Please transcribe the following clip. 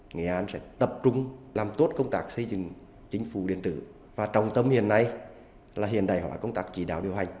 nghệ an sẽ tập trung làm tốt công tác xây dựng chính phủ điện tử và trọng tâm hiện nay là hiện đại hóa công tác chỉ đạo điều hành